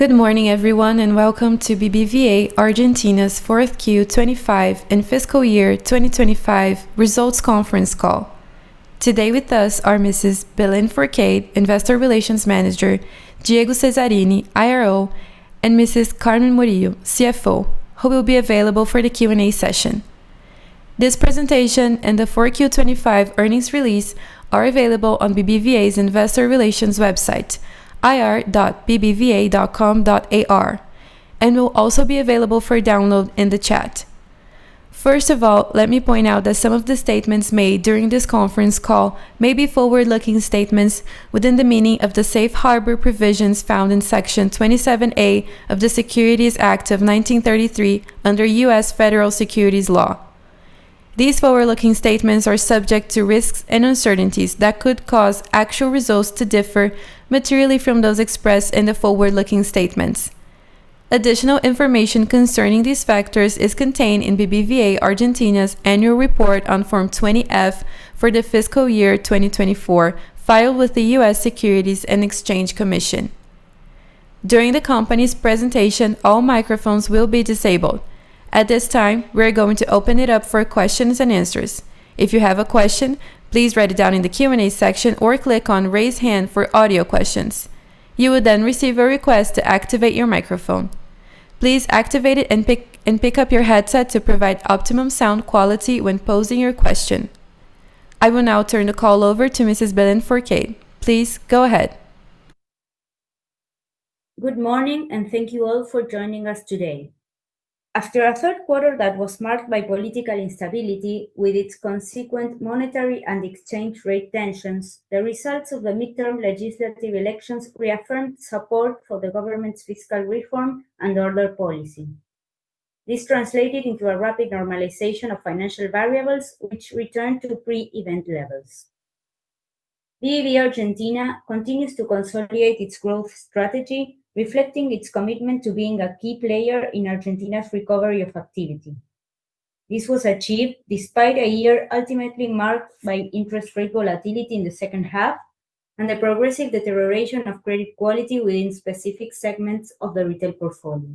Good morning, everyone, and welcome to BBVA Argentina's 4Q25 and fiscal year 2025 results conference call. Today with us are Mrs. Belén Fourcade, Investor Relations Manager, Diego Cesarini, IRO, and Mrs. Carmen Morillo, CFO, who will be available for the Q&A session. This presentation and the 4Q25 earnings release are available on BBVA's Investor Relations website, ir.bbva.com.ar, and will also be available for download in the chat. First of all, let me point out that some of the statements made during this conference call may be forward-looking statements within the meaning of the safe harbor provisions found in Section 27A of the Securities Act of 1933 under U.S. Federal Securities Law. These forward-looking statements are subject to risks and uncertainties that could cause actual results to differ materially from those expressed in the forward-looking statements. Additional information concerning these factors is contained in BBVA Argentina's annual report on Form 20-F for the fiscal year 2024, filed with the U.S. Securities and Exchange Commission. During the company's presentation, all microphones will be disabled. At this time, we are going to open it up for questions and answers. If you have a question, please write it down in the Q&A section or click on Raise Hand for audio questions. You will then receive a request to activate your microphone. Please activate it and pick up your headset to provide optimum sound quality when posing your question. I will now turn the call over to Mrs. Belén Fourcade. Please go ahead. Good morning. Thank you all for joining us today. After a third quarter that was marked by political instability with its consequent monetary and exchange rate tensions, the results of the midterm legislative elections reaffirmed support for the government's fiscal reform and order policy. This translated into a rapid normalization of financial variables, which returned to pre-event levels. BBVA Argentina continues to consolidate its growth strategy, reflecting its commitment to being a key player in Argentina's recovery of activity. This was achieved despite a year ultimately marked by interest rate volatility in the second half and the progressive deterioration of credit quality within specific segments of the retail portfolio.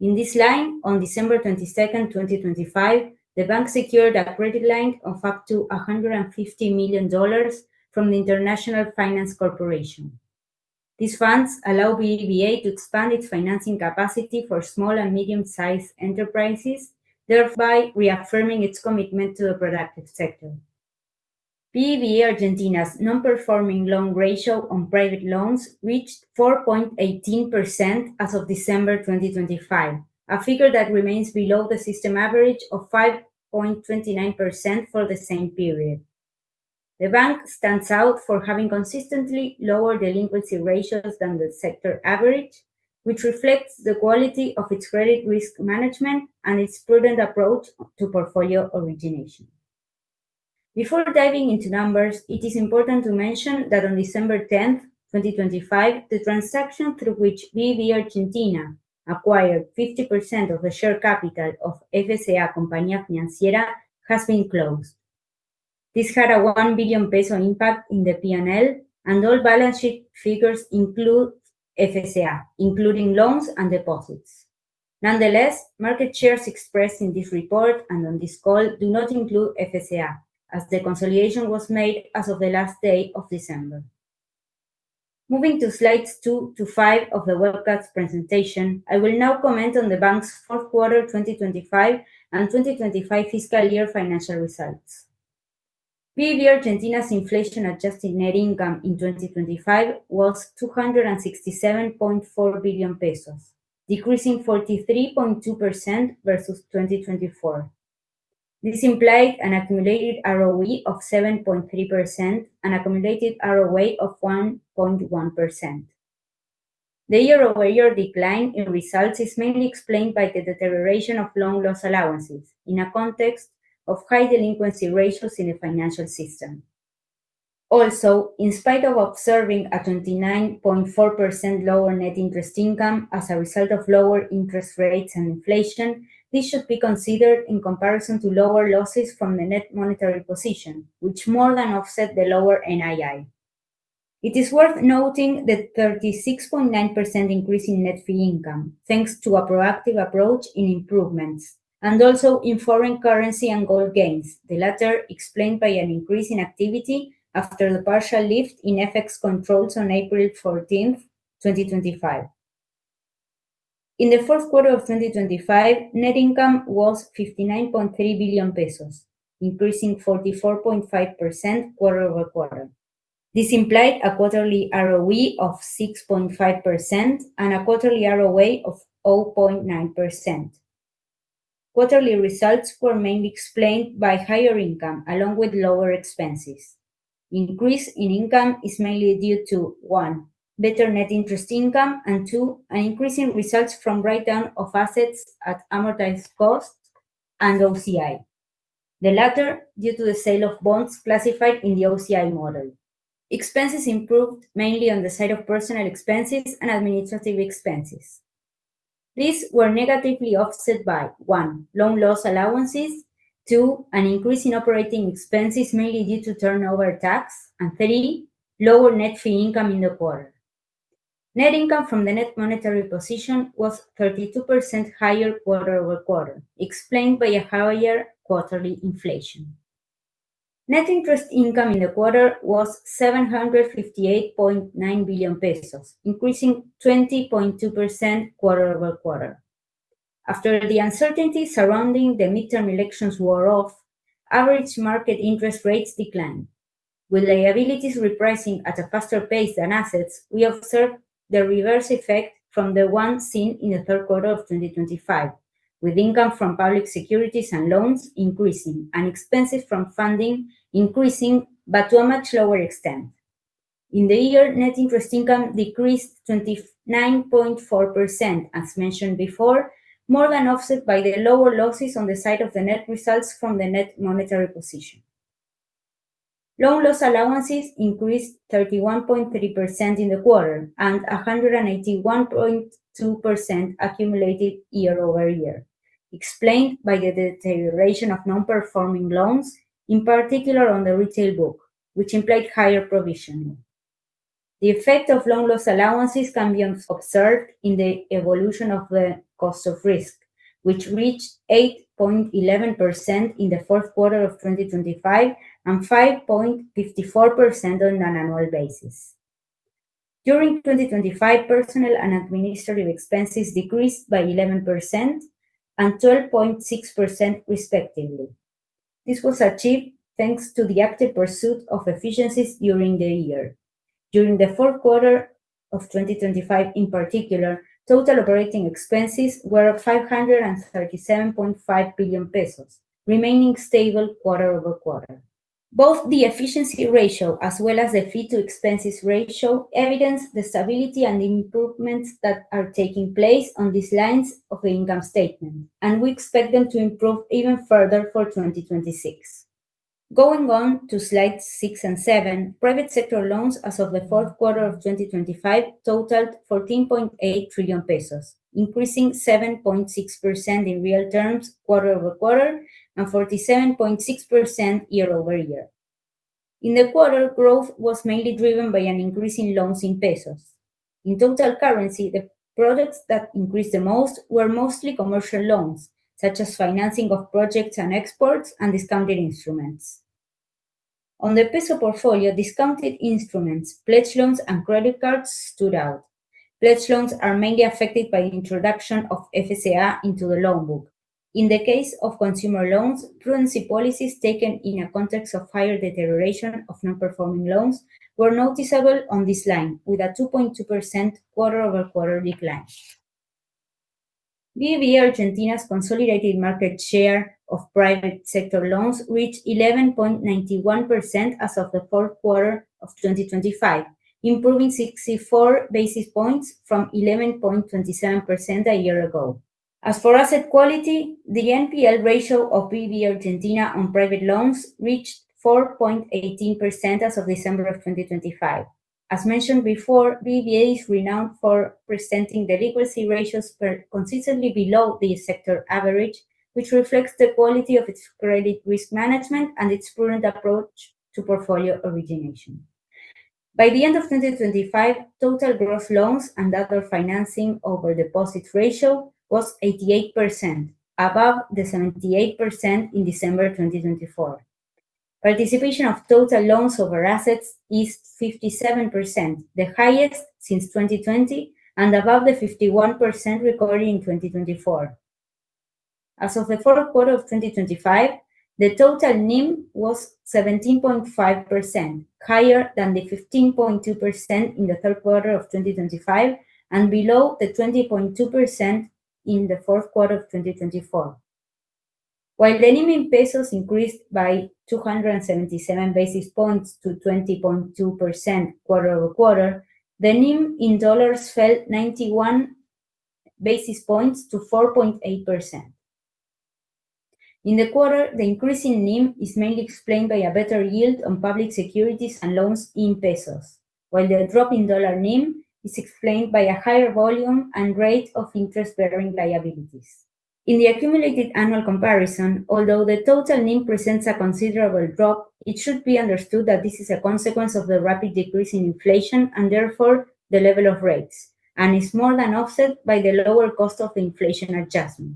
In this line, on December 22, 2025, the bank secured a credit line of up to $150 million from the International Finance Corporation. These funds allow BBVA to expand its financing capacity for small and medium-sized enterprises, thereby reaffirming its commitment to the productive sector. BBVA Argentina's non-performing loan ratio on private loans reached 4.18% as of December 2025, a figure that remains below the system average of 5.29% for the same period. The bank stands out for having consistently lower delinquency ratios than the sector average, which reflects the quality of its credit risk management and its prudent approach to portfolio origination. Before diving into numbers, it is important to mention that on December 10, 2025, the transaction through which BBVA Argentina acquired 50% of the share capital of FCA Compañía Financiera has been closed. This had an 1 billion peso impact in the P&L, and all balance sheet figures include FCA, including loans and deposits. Nonetheless, market shares expressed in this report and on this call do not include FCA, as the consolidation was made as of the last day of December. Moving to slides two to five of the webcast presentation, I will now comment on the bank's fourth quarter 2025 and 2025 fiscal year financial results. BBVA Argentina's inflation Adjusted Net Income in 2025 was 267.4 billion pesos, decreasing 43.2% versus 2024. This implied an accumulated ROE of 7.3% and a cumulative ROA of 1.1%. The year-over-year decline in results is mainly explained by the deterioration of loan loss allowances in a context of high delinquency ratios in the financial system. In spite of observing a 29.4% lower net interest income as a result of lower interest rates and inflation, this should be considered in comparison to lower losses from the net monetary position, which more than offset the lower NII. It is worth noting the 36.9% increase in net fee income, thanks to a proactive approach in improvements, and also in foreign currency and gold gains, the latter explained by an increase in activity after the partial lift in FX controls on April 14, 2025. In the Q4 of 2025, net income was 59.3 billion pesos, increasing 44.5% quarter-over-quarter. This implied a quarterly ROE of 6.5% and a quarterly ROA of 0.9%. Quarterly results were mainly explained by higher income along with lower expenses. Increase in income is mainly due to, one, better net interest income, and two, an increase in results from write-down of assets at amortized cost and OCI, the latter due to the sale of bonds classified in the OCI model. Expenses improved mainly on the side of personal expenses and administrative expenses. These were negatively offset by, one, loan loss allowances, two, an increase in operating expenses mainly due to turnover tax, and three, lower net fee income in the quarter. Net income from the net monetary position was 32% higher quarter-over-quarter, explained by a higher quarterly inflation. Net interest income in the quarter was 758.9 billion pesos, increasing 20.2% quarter-over-quarter. After the uncertainty surrounding the midterm elections wore off, average market interest rates declined. With liabilities repricing at a faster pace than assets, we observed the reverse effect from the one seen in the third quarter of 2025, with income from public securities and loans increasing and expenses from funding increasing, but to a much lower extent. In the year, net interest income decreased 29.4%, as mentioned before, more than offset by the lower losses on the side of the net results from the net monetary position. Loan loss allowances increased 31.3% in the quarter and 181.2% accumulated year-over-year, explained by the deterioration of non-performing loans, in particular on the retail book, which implied higher provisioning. The effect of loan loss allowances can be observed in the evolution of the cost of risk, which reached 8.11% in the fourth quarter of 2025 and 5.54% on an annual basis. During 2025, personnel and administrative expenses decreased by 11% and 12.6% respectively. This was achieved thanks to the active pursuit of efficiencies during the year. During the fourth quarter of 2025 in particular, total operating expenses were 537.5 billion pesos, remaining stable quarter-over-quarter. Both the efficiency ratio as well as the fee to expense ratio evidence the stability and improvements that are taking place on these lines of the income statement, and we expect them to improve even further for 2026. Going on to slides six and seven, private sector loans as of the fourth quarter of 2025 totaled 14.8 trillion pesos, increasing 7.6% in real terms quarter-over-quarter and 47.6% year-over-year. In the quarter, growth was mainly driven by an increase in loans in pesos. In total currency, the products that increased the most were mostly commercial loans, such as financing of projects and exports and discounted instruments. On the peso portfolio, discounted instruments, pledge loans, and credit cards stood out. Pledge loans are mainly affected by introduction of FCA into the loan book. In the case of consumer loans, currency policies taken in a context of higher deterioration of non-performing loans were noticeable on this line, with a 2.2% quarter-over-quarter decline. BBVA Argentina's consolidated market share of private sector loans reached 11.91% as of the fourth quarter of 2025, improving 64 basis points from 11.27% a year ago. As for asset quality, the NPL ratio of BBVA Argentina on private loans reached 4.18% as of December 2025. As mentioned before, BBVA is renowned for presenting delinquency ratios consistently below the sector average, which reflects the quality of its credit risk management and its prudent approach to portfolio origination. By the end of 2025, total gross loans and other financing over deposits ratio was 88%, above the 78% in December 2024. Participation of total loans over assets is 57%, the highest since 2020 and above the 51% recorded in 2024. As of the 4th quarter of 2025, the total NIM was 17.5%, higher than the 15.2% in the 3rd quarter of 2025 and below the 20.2% in the 4th quarter of 2024. While the NIM in pesos increased by 277 basis points to 20.2% quarter-over-quarter, the NIM in dollars fell 91 basis points to 4.8%. In the quarter, the increase in NIM is mainly explained by a better yield on public securities and loans in pesos, while the drop in dollar NIM is explained by a higher volume and rate of interest-bearing liabilities. In the accumulated annual comparison, although the total NIM presents a considerable drop, it should be understood that this is a consequence of the rapid decrease in inflation and therefore the level of rates, and is more than offset by the lower cost of inflation adjustment.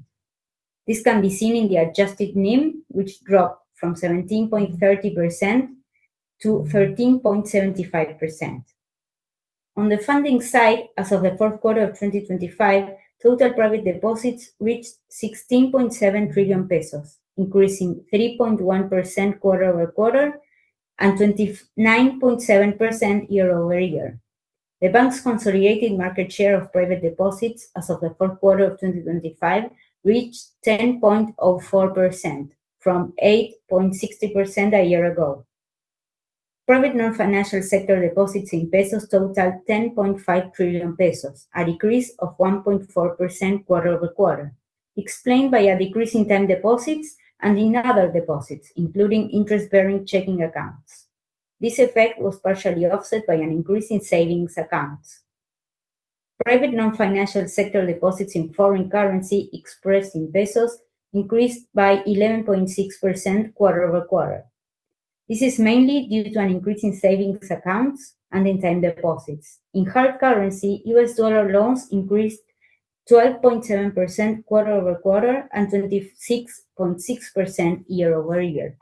This can be seen in the Adjusted NIM, which dropped from 17.30%-13.75%. On the funding side, as of the fourth quarter of 2025, total private deposits reached 16.7 trillion pesos, increasing 3.1% quarter-over-quarter and 29.7% year-over-year. The bank's consolidated market share of private deposits as of the fourth quarter of 2025 reached 10.04% from 8.60% a year ago. Private non-financial sector deposits in pesos totaled 10.5 trillion pesos, a decrease of 1.4% quarter-over-quarter, explained by a decrease in time deposits and in other deposits, including interest-bearing checking accounts. This effect was partially offset by an increase in savings accounts. Private non-financial sector deposits in foreign currency expressed in pesos increased by 11.6% quarter-over-quarter. This is mainly due to an increase in savings accounts and in time deposits. In hard currency, U.S. dollar loans increased 12.7% quarter-over-quarter and 26.6% year-over-year.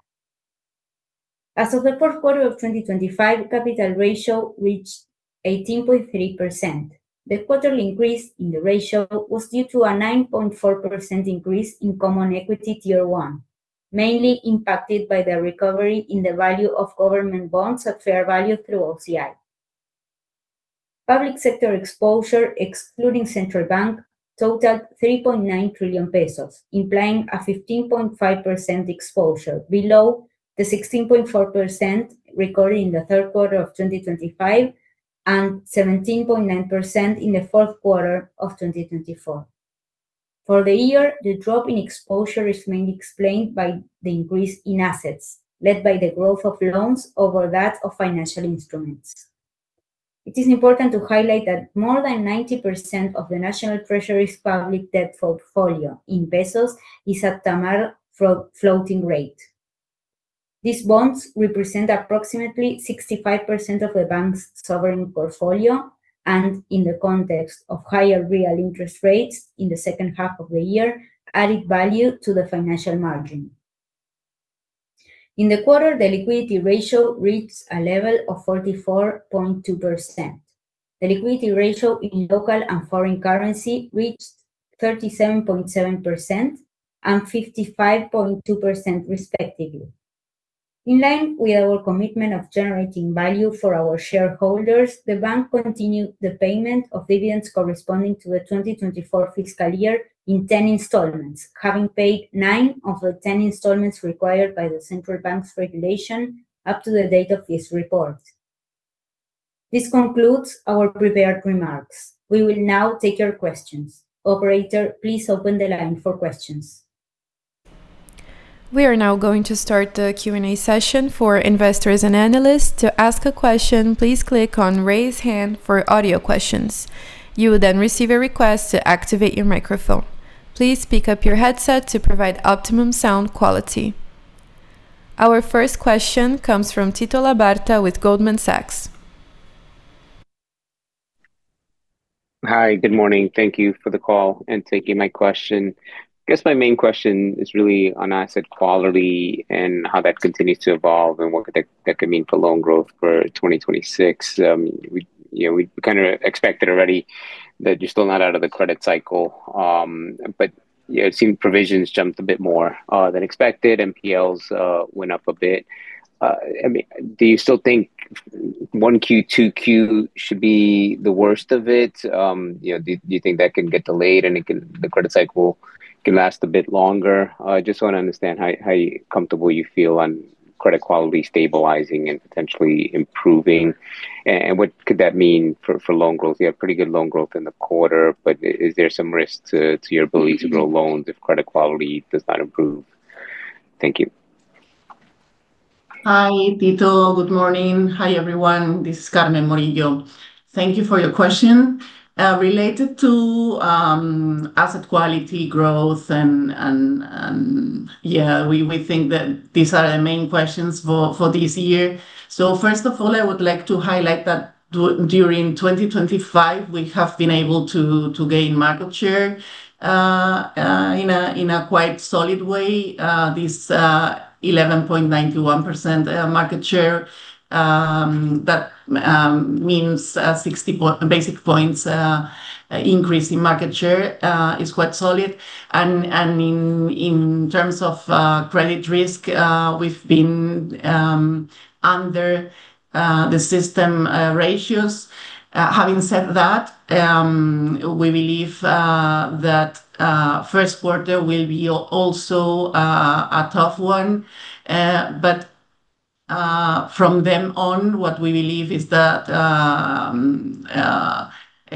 As of the fourth quarter of 2025, capital ratio reached 18.3%. The quarterly increase in the ratio was due to a 9.4% increase in Common Equity Tier 1, mainly impacted by the recovery in the value of government bonds at fair value through OCI. Public sector exposure excluding Central Bank totaled 3.9 trillion pesos, implying a 15.5% exposure below the 16.4% recorded in Q3 2025 and 17.9% in Q4 2024. For the year, the drop in exposure is mainly explained by the increase in assets, led by the growth of loans over that of financial instruments. It is important to highlight that more than 90% of the national treasury's public debt portfolio in ARS is at TAMAR floating rate. These bonds represent approximately 65% of the bank's sovereign portfolio, and in the context of higher real interest rates in the second half of the year, added value to the financial margin. In the quarter, the liquidity ratio reached a level of 44.2%. The liquidity ratio in local and foreign currency reached 37.7% and 55.2% respectively. In line with our commitment of generating value for our shareholders, the bank continued the payment of dividends corresponding to the 2024 fiscal year in 10 installments, having paid nine of the 10 installments required by the central bank's regulation up to the date of this report. This concludes our prepared remarks. We will now take your questions. Operator, please open the line for questions. We are now going to start the Q&A session for investors and analysts. To ask a question, please click on Raise Hand for audio questions. You will receive a request to activate your microphone. Please pick up your headset to provide optimum sound quality. Our first question comes from Tito Labarta with Goldman Sachs. Hi. Good morning. Thank you for the call and taking my question. Guess my main question is really on asset quality and how that continues to evolve and what that could mean for loan growth for 2026. We, you know, we kind of expected already that you're still not out of the credit cycle, but, you know, it seemed provisions jumped a bit more than expected. NPLs went up a bit. I mean, do you still think 1Q, 2Q should be the worst of it? You know, do you think that can get delayed and the credit cycle can last a bit longer? I just wanna understand how comfortable you feel on credit quality stabilizing and potentially improving and what could that mean for loan growth. You have pretty good loan growth in the quarter, but is there some risk to your ability to grow loans if credit quality does not improve? Thank you. Hi, Tito. Good morning. Hi, everyone. This is Carmen Morillo. Thank you for your question. Related to asset quality growth, we think that these are the main questions for this year. First of all, I would like to highlight that during 2025 we have been able to gain market share in a quite solid way. This 11.91% market share that means 60 basis points increase in market share is quite solid. In terms of credit risk, we've been under the system ratios. Having said that, we believe that first quarter will be also a tough one. From them on, what we believe is that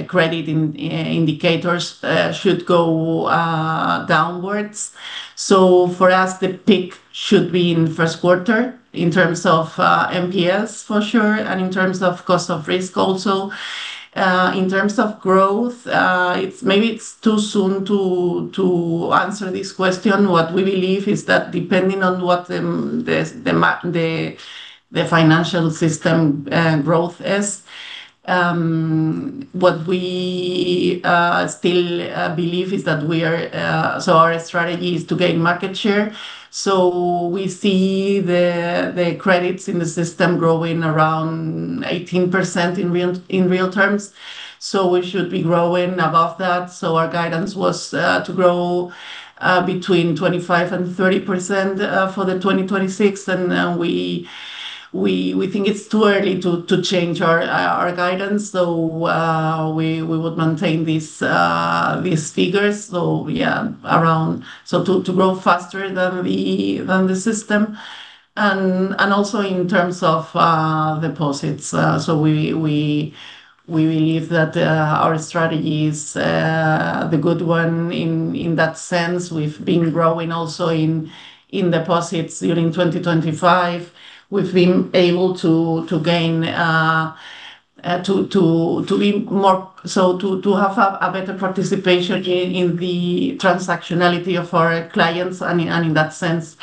credit indicators should go downwards. For us, the peak should be in first quarter in terms of NPLs for sure, and in terms of cost of risk also. In terms of growth, maybe it's too soon to answer this question. What we believe is that depending on what the financial system growth is, what we still believe is that we are. Our strategy is to gain market share. We see the credits in the system growing around 18% in real terms, so we should be growing above that. Our guidance was to grow between 25% and 30% for 2026. We think it's too early to change our guidance. We would maintain these figures to grow faster than the system. Also in terms of deposits, we believe that our strategy is the good one in that sense. We've been growing also in deposits during 2025. We've been able to gain. To have a better participation in the transactionality of our clients. In that sense,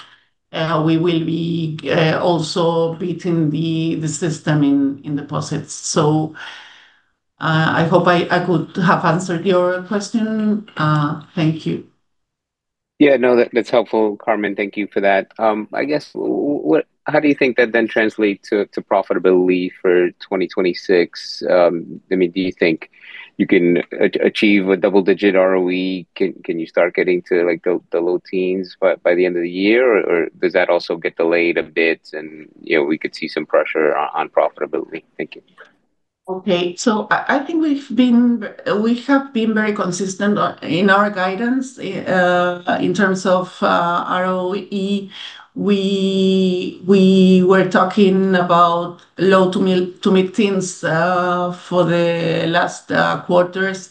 we will be also beating the system in deposits. I hope I could have answered your question. Thank you. Yeah, no, that's helpful, Carmen. Thank you for that. How do you think that translates to profitability for 2026? I mean, do you think you can achieve a double digit ROE? Can you start getting to like the low teens by the end of the year, or does that also get delayed a bit and, you know, we could see some pressure on profitability? Thank you. I think we have been very consistent in our guidance. In terms of ROE, we were talking about low to mid-teens for the last quarters.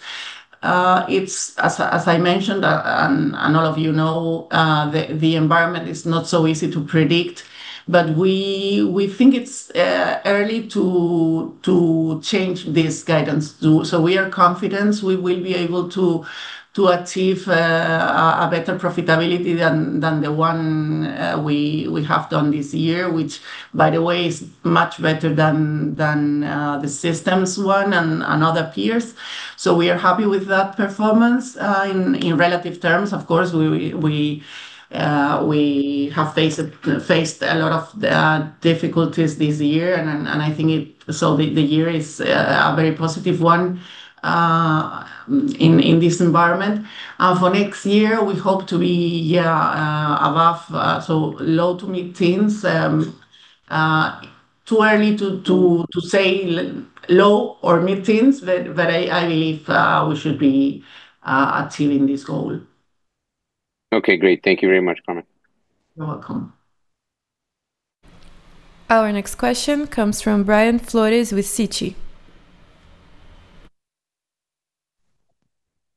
It's as I mentioned, and all of you know, the environment is not so easy to predict. We think it's early to change this guidance. We are confident we will be able to achieve a better profitability than the one we have done this year, which by the way, is much better than the systems one and other peers. We are happy with that performance. In relative terms, of course, we have faced a lot of difficulties this year and I think the year is a very positive one in this environment. For next year we hope to be, yeah, above low to mid-teens. Too early to say low or mid-teens, but I believe we should be achieving this goal. Okay, great. Thank you very much, Carmen. You're welcome. Our next question comes from Brian Flores with Citi.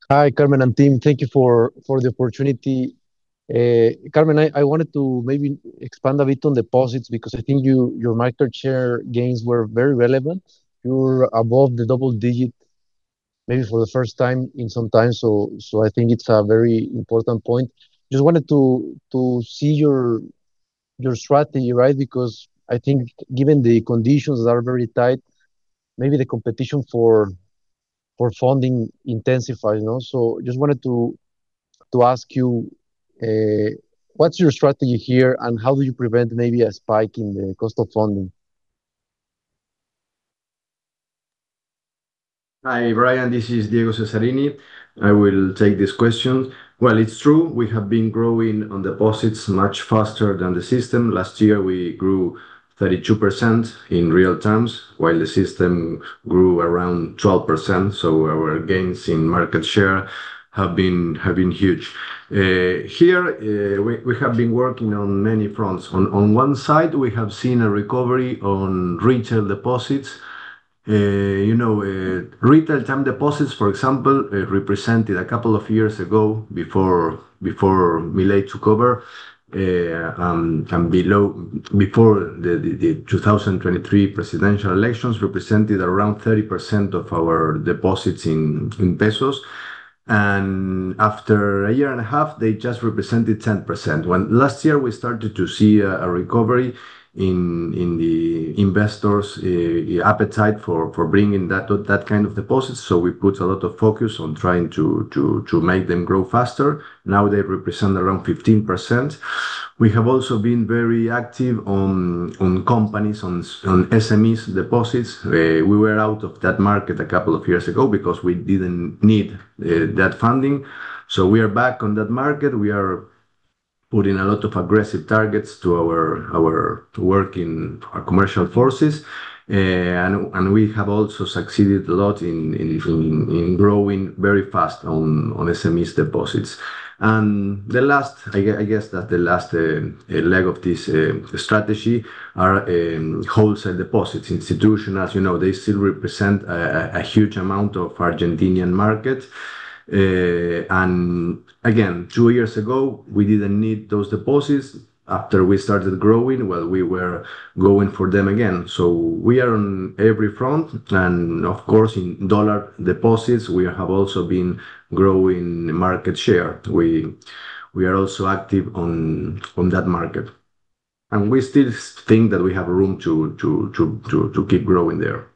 Hi, Carmen and team. Thank you for the opportunity. Carmen, I wanted to maybe expand a bit on deposits because I think your market share gains were very relevant. You're above the double digit maybe for the first time in some time, so I think it's a very important point. Just wanted to see your strategy, right? Because I think given the conditions that are very tight, maybe the competition for funding intensifies, you know. Just wanted to ask you what's your strategy here and how do you prevent maybe a spike in the cost of funding? Hi, Brian, this is Diego Cesarini. I will take this question. Well, it's true, we have been growing on deposits much faster than the system. Last year, we grew 32% in real terms, while the system grew around 12%. Our gains in market share have been huge. Here, we have been working on many fronts. On one side, we have seen a recovery on retail deposits. You know, retail term deposits, for example, represented a couple of years ago before Milei took over, before the 2023 presidential elections represented around 30% of our deposits in pesos. After a year and a half, they just represented 10%. When last year we started to see a recovery in the investors' appetite for bringing that kind of deposits. We put a lot of focus on trying to make them grow faster. Now they represent around 15%. We have also been very active on companies, on SMEs deposits. We were out of that market a couple of years ago because we didn't need that funding. We are back on that market. We are putting a lot of aggressive targets to work in our commercial forces. We have also succeeded a lot in growing very fast on SMEs deposits. The last, I guess, that the last leg of this strategy are wholesale deposits. Institution, as you know, they still represent a huge amount of Argentinian market. Again, two years ago, we didn't need those deposits. After we started growing, well, we were going for them again. We are on every front. Of course, in dollar deposits, we have also been growing market share. We are also active on that market, and we still think that we have room to keep growing there.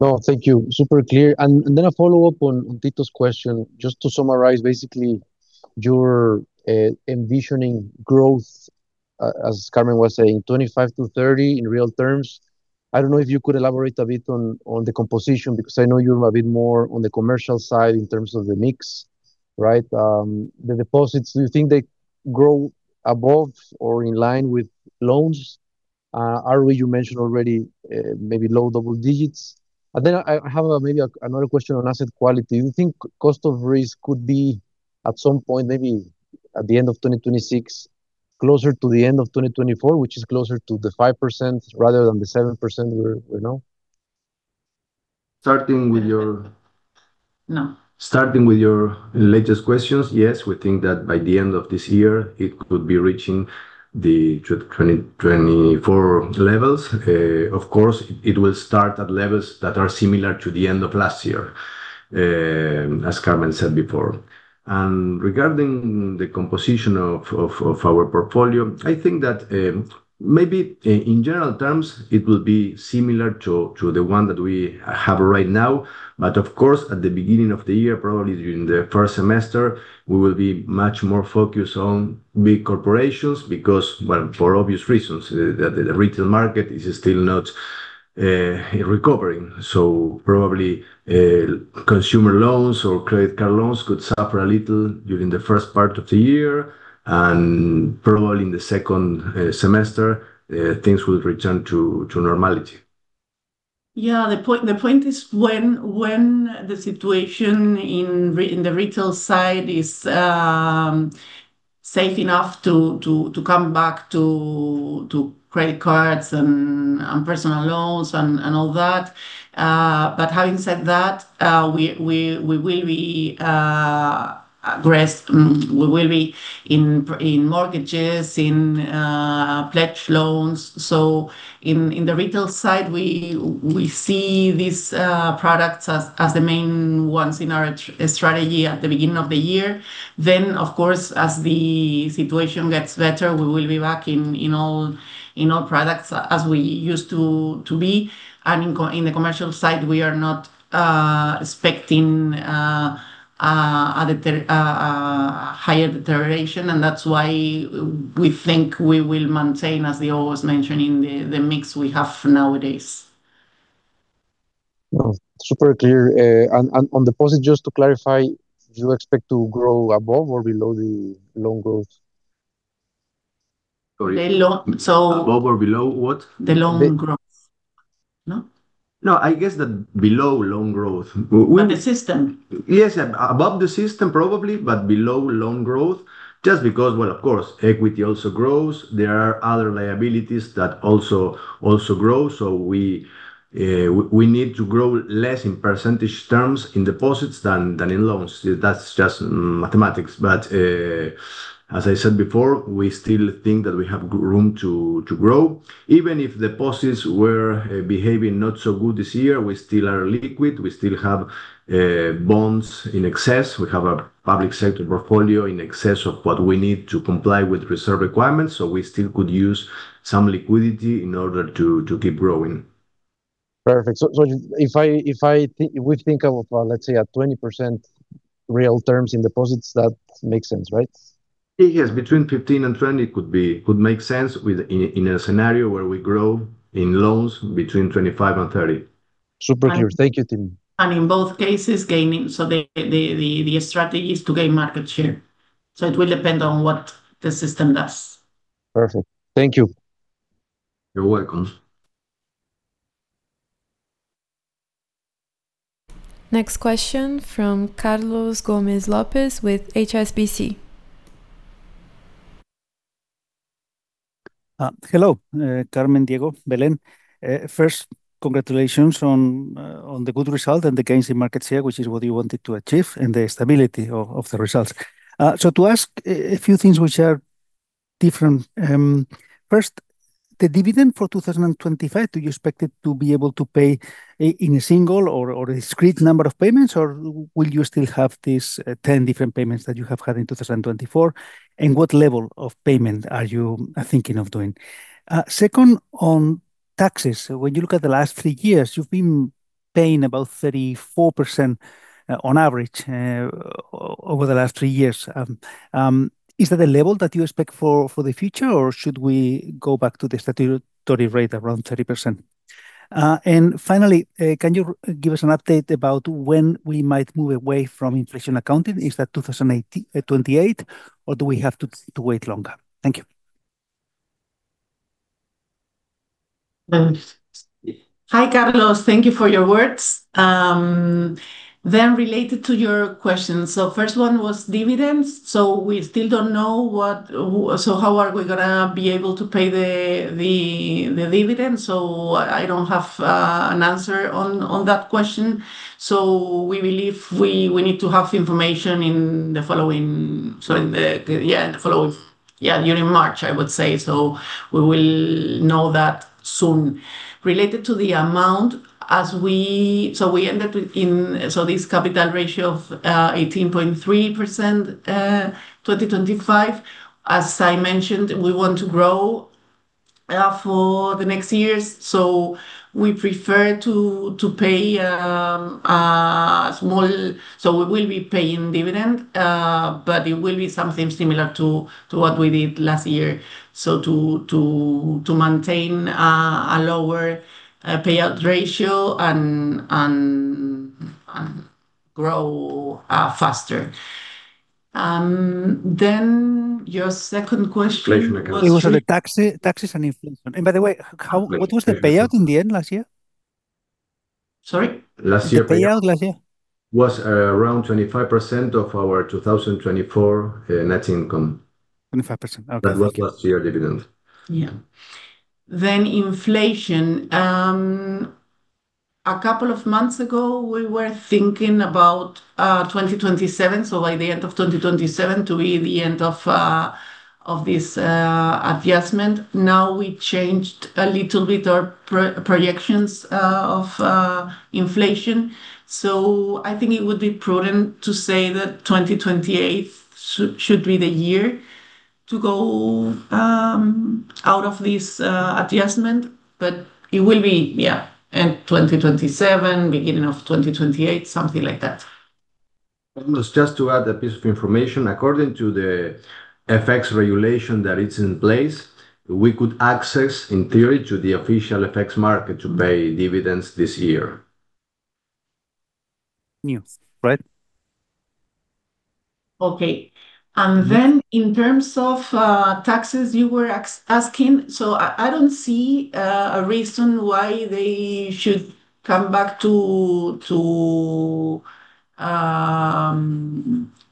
Well, thank you. Super clear. A follow-up on Tito's question. Just to summarize, basically, you're envisioning growth, as Carmen was saying, 25%-30% in real terms. I don't know if you could elaborate a bit on the composition, because I know you're a bit more on the commercial side in terms of the mix, right? The deposits, do you think they grow above or in line with loans? ROE you mentioned already, maybe low double digits. I have maybe another question on asset quality. Do you think cost of risk could be at some point, maybe at the end of 2026, closer to the end of 2024, which is closer to the 5% rather than the 7% we're, you know? Starting with No... starting with your latest questions, yes, we think that by the end of this year, it could be reaching the 2024 levels. Of course, it will start at levels that are similar to the end of last year, as Carmen said before. Regarding the composition of our portfolio, I think that maybe in general terms, it will be similar to the one that we have right now. Of course, at the beginning of the year, probably during the first semester, we will be much more focused on big corporations because, well, for obvious reasons. The retail market is still not recovering. Probably consumer loans or credit card loans could suffer a little during the first part of the year. Probably in the second semester, things will return to normality. Yeah. The point is when the situation in the retail side is safe enough to come back to credit cards and personal loans and all that. Having said that, we will be in mortgages, in pledge loans. In the retail side, we see these products as the main ones in our strategy at the beginning of the year. Of course, as the situation gets better, we will be back in all products as we used to be. In the commercial side, we are not expecting a higher deterioration. That's why we think we will maintain, as we always mention, in the mix we have nowadays. Well, super clear. On deposit, just to clarify, do you expect to grow above or below the loan growth? Sorry. The loan. Above or below what? The loan growth. No? No, I guess the below loan growth. On the system. Above the system probably, but below loan growth. Just because, well, of course, equity also grows. There are other liabilities that also grow. We need to grow less in percentage terms in deposits than in loans. That's just mathematics. As I said before, we still think that we have room to grow. Even if deposits were behaving not so good this year, we still are liquid. We still have bonds in excess. We have a public sector portfolio in excess of what we need to comply with reserve requirements, so we still could use some liquidity in order to keep growing. Perfect. If we think of, let's say a 20% real terms in deposits, that makes sense, right? Yes. Between 15% and 20% could make sense in a scenario where we grow in loans between 25% and 30%. Super clear. Thank you, team. In both cases, gaining. The strategy is to gain market share. It will depend on what the system does. Perfect. Thank you. You're welcome. Next question from Carlos Gomez-Lopez with HSBC. Hello, Carmen, Diego, Belén. First, congratulations on the good result and the gains in market share, which is what you wanted to achieve, and the stability of the results. To ask a few things which are different. First, the dividend for 2025, do you expect it to be able to pay in a single or a discrete number of payments, or will you still have these 10 different payments that you have had in 2024? What level of payment are you thinking of doing? Second, on taxes. When you look at the last three years, you've been paying about 34% on average, over the last three years. Is that the level that you expect for the future, or should we go back to the statutory rate around 30%? Finally, can you give us an update about when we might move away from inflation accounting? Is that 2028, or do we have to wait longer? Thank you. Hi, Carlos. Thank you for your words. Related to your question. First one was dividends. We still don't know how are we gonna be able to pay the dividend. I don't have an answer on that question. We believe we need to have information in the following, during March, I would say. We will know that soon. Related to the amount, we ended with this capital ratio of 18.3%, 2025. As I mentioned, we want to grow for the next years, we prefer to pay a small... We will be paying dividend, but it will be something similar to what we did last year. To maintain a lower payout ratio and grow faster. Your second question was. It was on the taxes and inflation. By the way, what was the payout in the end last year? Sorry? Last year payout. The payout last year. Was, around 25% of our 2024 net income. 25%. Okay. That was last year dividend. Yeah. Inflation. A couple of months ago, we were thinking about 2027, by the end of 2027 to be the end of this adjustment. Now we changed a little bit our projections of inflation. I think it would be prudent to say that 2028 should be the year to go out of this adjustment. It will be, yeah, end 2027, beginning of 2028, something like that. Almost just to add a piece of information, according to the FX regulation that is in place, we could access, in theory, to the official FX market to pay dividends this year. Yes. Right. Okay. Then in terms of taxes, you were asking. I don't see a reason why they should come back to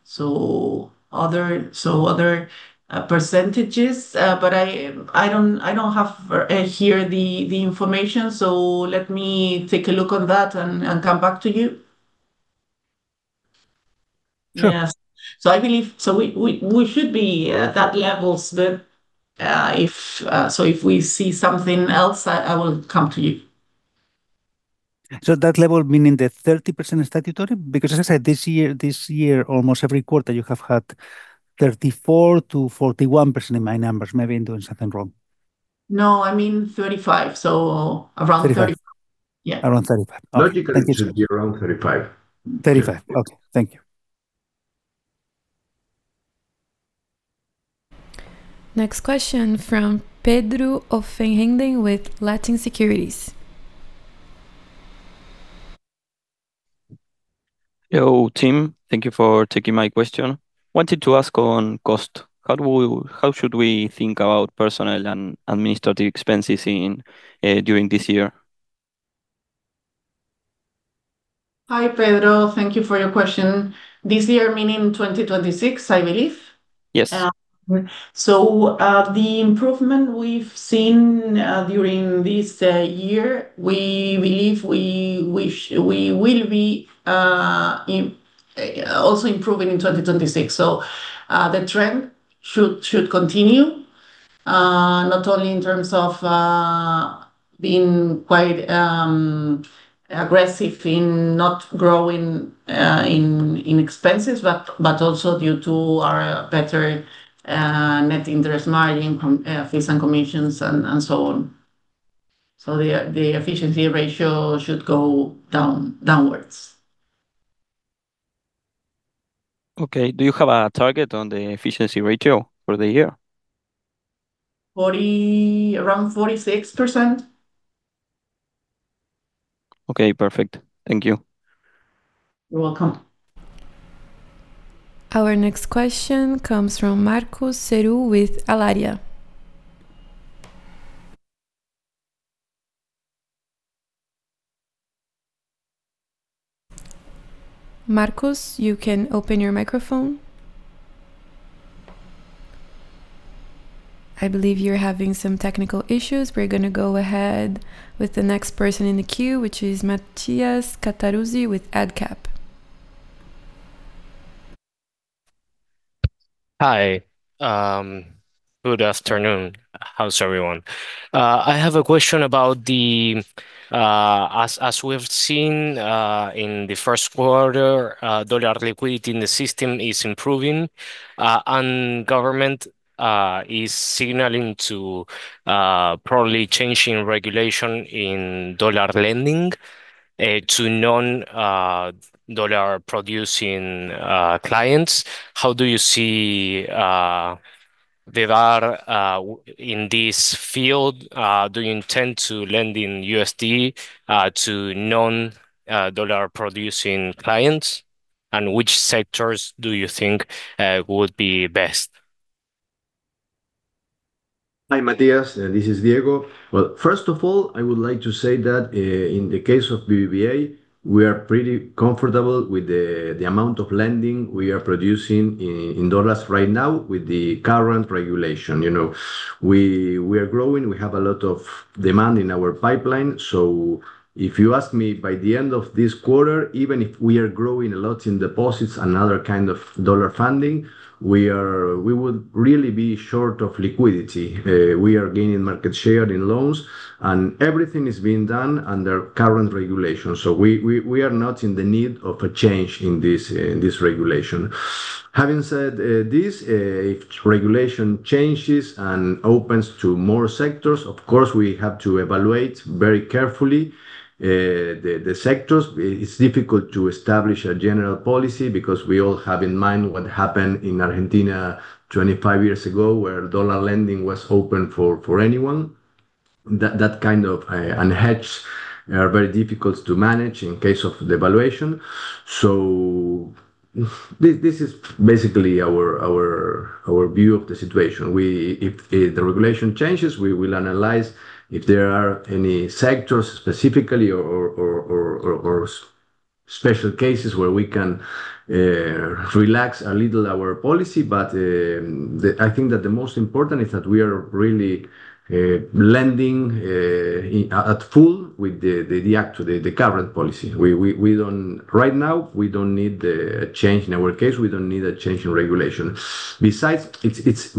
so other percentages. I don't have here the information, let me take a look on that and come back to you. Sure. Yeah. I believe... we should be at that levels then, if we see something else, I will come to you. That level meaning the 30% statutory? As I said, this year, almost every quarter you have had 34%-41% in my numbers. Maybe I'm doing something wrong. No, I mean 35. 35. Yeah. Around 35. All right. Thank you. Logically it should be around 35. 35. Okay, thank you. Next question from Pedro Offenhenden with Latin Securities. Yo, team. Thank you for taking my question. Wanted to ask on cost, how should we think about personnel and administrative expenses in during this year? Hi, Pedro. Thank you for your question. This year meaning 2026, I believe. Yes. The improvement we've seen during this year, we believe we will be also improving in 2026. The trend should continue, not only in terms of being quite aggressive in not growing in expenses, but also due to our better net interest margin from fees and commissions and so on. The efficiency ratio should go downwards Okay. Do you have a target on the efficiency ratio for the year? Around 46%. Okay, perfect. Thank you. You're welcome. Our next question comes from Marcos Buscaglia with Allaria. Marcus, you can open your microphone. I believe you're having some technical issues. We're gonna go ahead with the next person in the queue, which is Matías Cattaruzzi with Adcap. Hi. Good afternoon. How's everyone? I have a question about the, as we have seen, in the first quarter, dollar liquidity in the system is improving, and government is signaling to probably changing regulation in dollar lending to non dollar-producing clients. How do you see deVere in this field? Do you intend to lend in USD to non dollar-producing clients? Which sectors do you think would be best? Hi, Matías. This is Diego. Well, first of all, I would like to say that in the case of BBVA, we are pretty comfortable with the amount of lending we are producing in dollars right now with the current regulation. You know, we are growing. We have a lot of demand in our pipeline. If you ask me by the end of this quarter, even if we are growing a lot in deposits and other kind of dollar funding, we would really be short of liquidity. We are gaining market share in loans, and everything is being done under current regulations. We are not in the need of a change in this regulation. Having said this, if regulation changes and opens to more sectors, of course, we have to evaluate very carefully the sectors. It's difficult to establish a general policy because we all have in mind what happened in Argentina 25 years ago, where dollar lending was open for anyone. That kind of unhedge are very difficult to manage in case of devaluation. This is basically our view of the situation. If the regulation changes, we will analyze if there are any sectors specifically or special cases where we can relax a little our policy. I think that the most important is that we are really lending at full with the current policy. Right now, we don't need the change. In our case, we don't need a change in regulation. Besides, it's...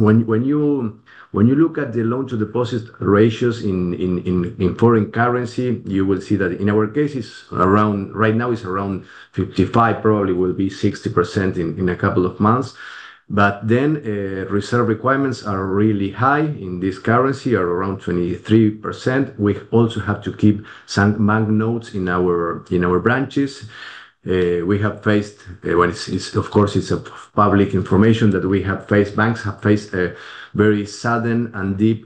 When you look at the loan-to-deposit ratios in foreign currency, you will see that in our case it's around, right now it's around 55%, probably will be 60% in a couple of months. Reserve requirements are really high in this currency, are around 23%. We also have to keep some bank notes in our branches. We have faced, what is, of course, it's a public information that we have faced, banks have faced a very sudden and deep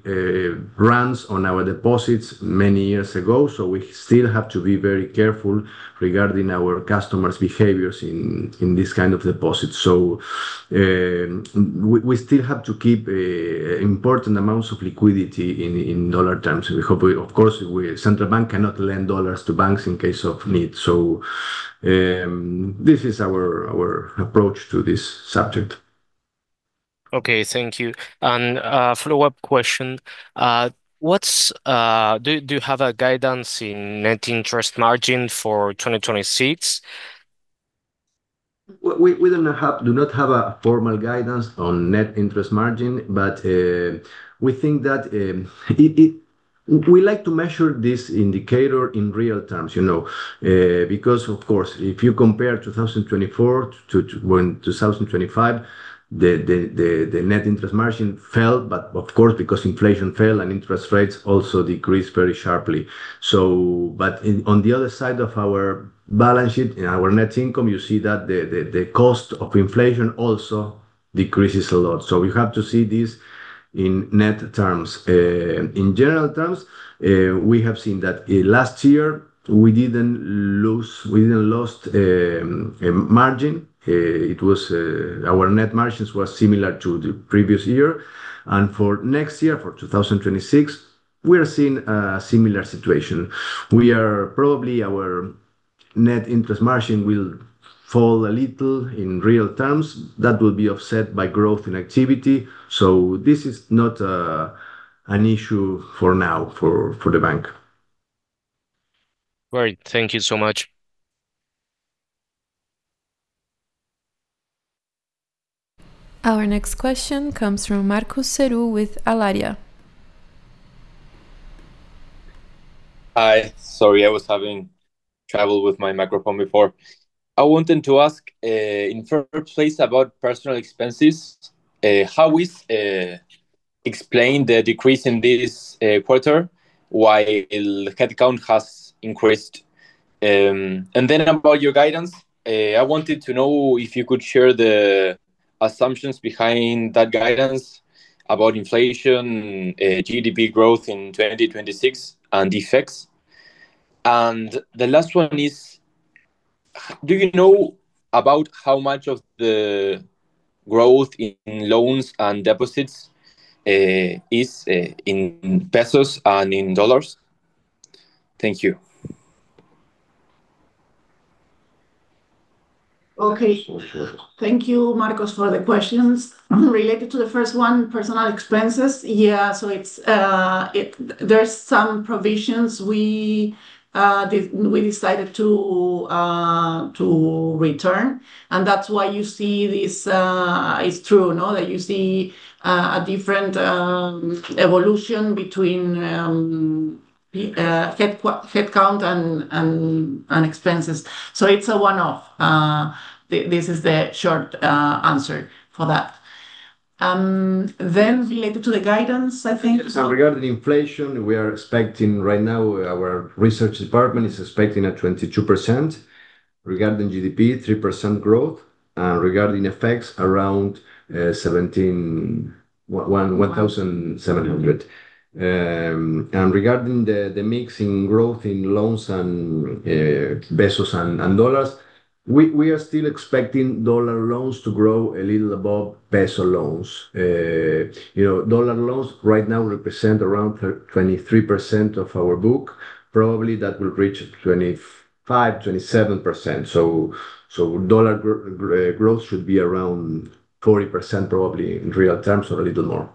runs on our deposits many years ago, so we still have to be very careful regarding our customers' behaviors in this kind of deposit. We still have to keep important amounts of liquidity in dollar terms. Of course, Central Bank cannot lend dollars to banks in case of need. This is our approach to this subject. Okay. Thank you. A follow-up question. Do you have a guidance in net interest margin for 2026? We do not have a formal guidance on net interest margin, but we think that we like to measure this indicator in real terms, you know? Because of course, if you compare 2024 to when 2025, the net interest margin fell, but of course, because inflation fell and interest rates also decreased very sharply. On the other side of our balance sheet, in our net income, you see that the cost of inflation also decreases a lot. We have to see this in net terms. In general terms, we have seen that last year, we didn't lose margin. It was our net margins was similar to the previous year. For next year, for 2026, we are seeing a similar situation. We are probably our net interest margin will fall a little in real terms. That will be offset by growth in activity. This is not an issue for now for the bank. All right. Thank you so much. Our next question comes from Marcos Buscaglia with Allaria. Hi. Sorry, I was having trouble with my microphone before. I wanted to ask, in first place about personal expenses. How is explained the decrease in this quarter while head count has increased? Then about your guidance, I wanted to know if you could share the assumptions behind that guidance about inflation, GDP growth in 2026 and the effects. The last one is, do you know about how much of the growth in loans and deposits, is in pesos and in dollars? Thank you. Okay. Thank you, Marcus, for the questions. Related to the first one, personal expenses. There's some provisions we decided to return, that's why you see this is true, no? That you see a different evolution between head count and expenses. It's a one-off. This is the short answer for that. Related to the guidance, I think so. Regarding inflation, we are expecting right now, our research department is expecting a 22%. Regarding GDP, 3% growth. Regarding effects, around 1,700. Regarding the mixing growth in loans and pesos and dollars, we are still expecting dollar loans to grow a little above peso loans. you know, dollar loans right now represent around 23% of our book. Probably that will reach 25%-27%. Dollar growth should be around 40% probably in real terms or a little more.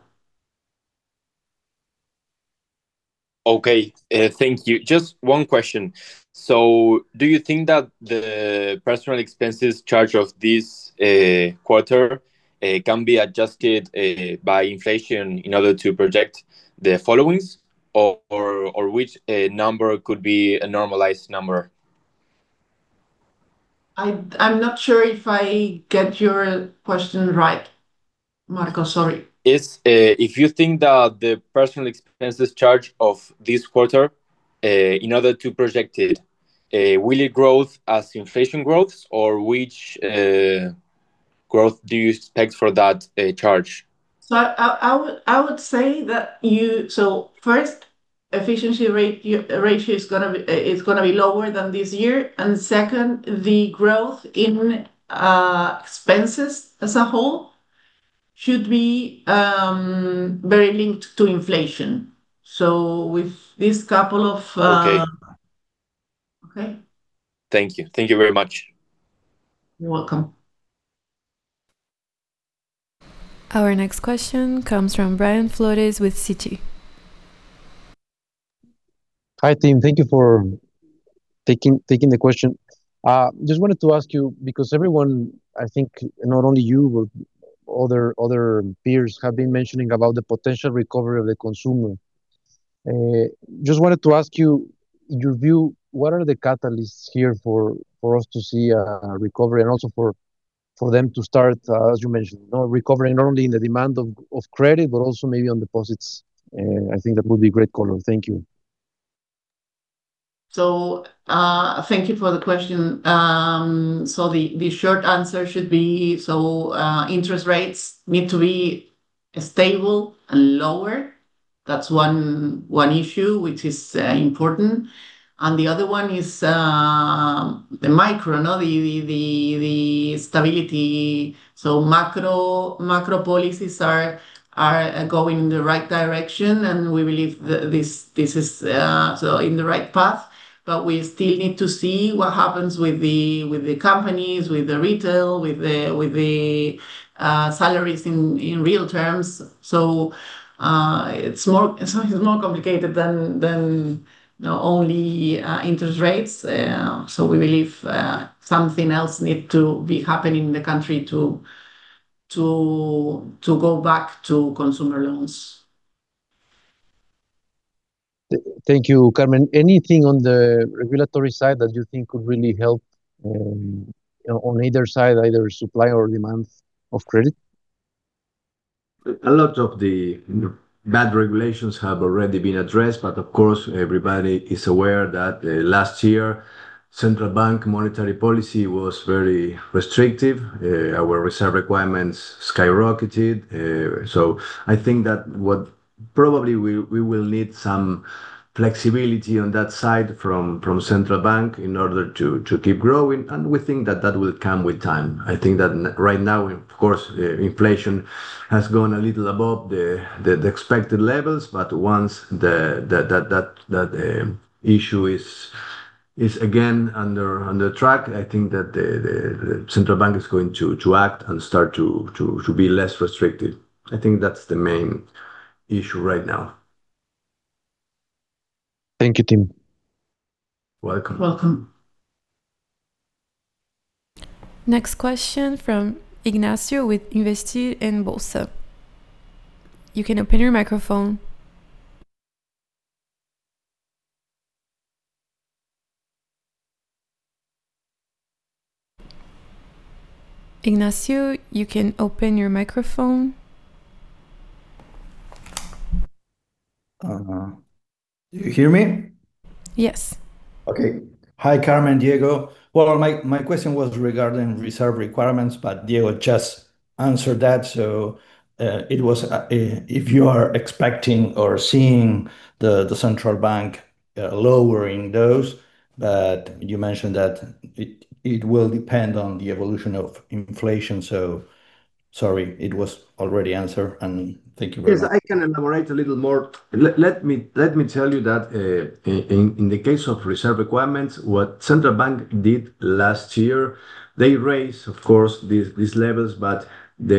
Okay. Thank you. Just one question. Do you think that the personal expenses charge of this quarter can be adjusted by inflation in order to project the followings or which number could be a normalized number? I'm not sure if I get your question right, Marcos. Sorry. It's, if you think that the personal expenses charge of this quarter, in order to project it, will it growth as inflation growth or which?... growth do you expect for that, charge? I would say that first, efficiency rate, ratio is gonna be lower than this year. Second, the growth in expenses as a whole should be very linked to inflation. With this couple of. Okay. Okay. Thank you. Thank you very much. You're welcome. Our next question comes from Brian Flores with Citi. Hi, team. Thank you for taking the question. Just wanted to ask you, because everyone, I think not only you, but other peers have been mentioning about the potential recovery of the consumer. Just wanted to ask you your view, what are the catalysts here for us to see a recovery and also for them to start, as you mentioned, you know, recovering not only in the demand of credit, but also maybe on deposits? I think that would be great color. Thank you. Thank you for the question. The short answer should be, so, interest rates need to be stable and lower. That's one issue, which is important. The other one is, the micro, no? The stability. Macro policies are going in the right direction, and we believe this is, so in the right path. We still need to see what happens with the companies, with the retail, with the salaries in real terms. It's more complicated than only, interest rates. We believe, something else need to be happening in the country to go back to consumer loans. Thank you, Carmen. Anything on the regulatory side that you think could really help on either side, either supply or demand of credit? A lot of the bad regulations have already been addressed. Of course, everybody is aware that last year, Central Bank monetary policy was very restrictive. Our reserve requirements skyrocketed. I think that Probably we will need some flexibility on that side from Central Bank in order to keep growing, and we think that that will come with time. I think that right now, of course, inflation has gone a little above the expected levels. Once that issue is again under track, I think that Central Bank is going to act and start to be less restrictive. I think that's the main issue right now. Thank you, team. Welcome. Welcome. Next question from Ignacio with Investir en Bolsa. You can open your microphone. Ignacio, you can open your microphone. Do you hear me? Yes. Okay. Hi, Carmen, Diego. My, my question was regarding reserve requirements, but Diego just answered that. It was if you are expecting or seeing the Central Bank lowering those, but you mentioned that it will depend on the evolution of inflation. Sorry, it was already answered, and thank you very much. Yes, I can elaborate a little more. Let me tell you that, in the case of reserve requirements, what Central Bank did last year, they raised, of course, these levels, but the.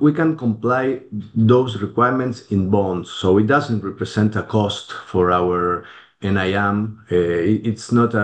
We can comply those requirements in bonds, so it doesn't represent a cost for our NIM. It's not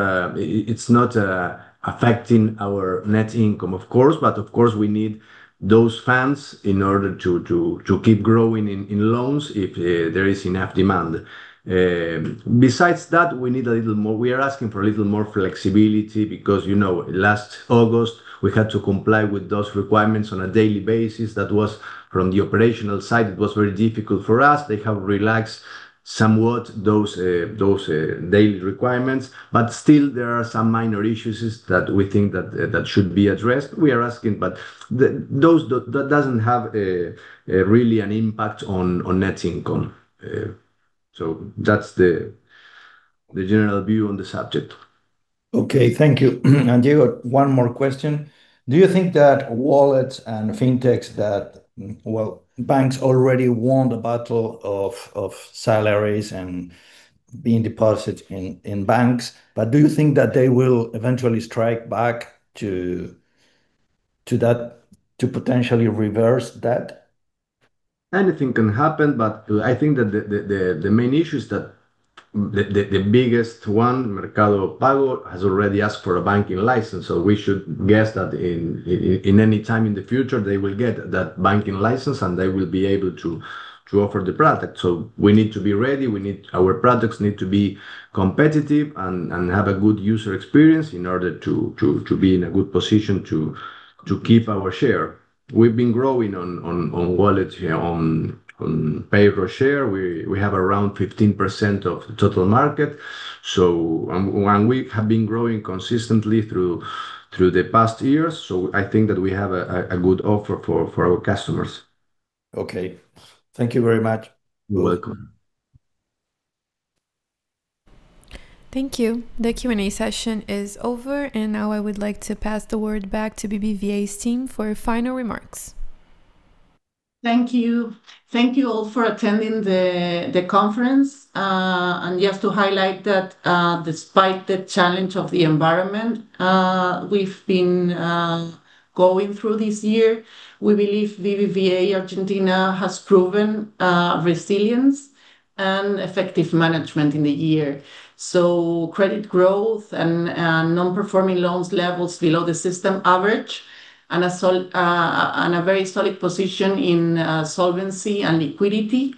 affecting our net income, of course, but of course we need those funds in order to keep growing in loans if there is enough demand. Besides that, we need a little more. We are asking for a little more flexibility because, you know, last August, we had to comply with those requirements on a daily basis. That was, from the operational side, it was very difficult for us. They have relaxed somewhat those daily requirements, but still there are some minor issues that we think that should be addressed. We are asking, but That doesn't have a really an impact on net income. That's the general view on the subject. Okay. Thank you. Diego, one more question. Do you think that wallets and fintechs that, well, banks already won the battle of salaries and being deposited in banks, but do you think that they will eventually strike back to that, to potentially reverse that? Anything can happen, but I think that the main issue is that the biggest one, Mercado Pago, has already asked for a banking license. We should guess that in any time in the future, they will get that banking license, and they will be able to offer the product. We need to be ready. Our products need to be competitive and have a good user experience in order to be in a good position to keep our share. We've been growing on wallet, on pay per share. We have around 15% of the total market. We have been growing consistently through the past years, so I think that we have a good offer for our customers. Okay. Thank you very much. You're welcome. Thank you. The Q&A session is over. Now I would like to pass the word back to BBVA's team for final remarks. Thank you. Thank you all for attending the conference. Just to highlight that, despite the challenge of the environment, we've been going through this year, we believe BBVA Argentina has proven resilience and effective management in the year. Credit growth and non-performing loans levels below the system average and a very solid position in solvency and liquidity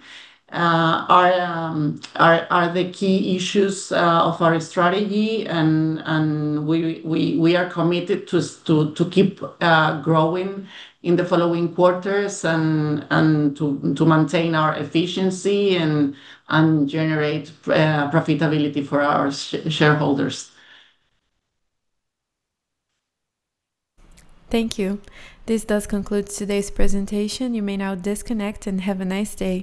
are the key issues of our strategy. We are committed to keep growing in the following quarters and to maintain our efficiency and generate profitability for our shareholders. Thank you. This does conclude today's presentation. You may now disconnect and have a nice day.